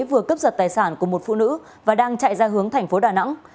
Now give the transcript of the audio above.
vừa cướp giật tài sản của một phụ nữ và đang chạy ra hướng thành phố đà nẵng